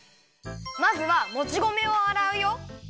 まずはもち米をあらうよ。